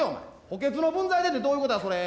「補欠の分際で」ってどういう事やそれ。